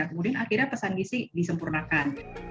kemudian akhirnya pesan gizi disempurnakan